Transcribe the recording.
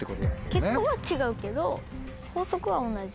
結果は違うけど法則は同じ。